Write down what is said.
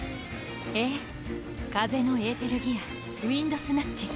ええ風のエーテルギアウインドスナッチ。